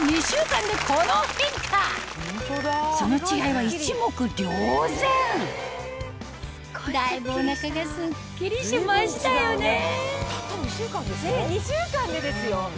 ２週間でですよ。